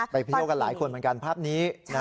ไปเที่ยวกันหลายคนเหมือนกันภาพนี้